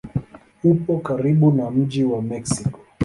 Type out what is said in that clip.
Upo karibu na mji wa Meksiko.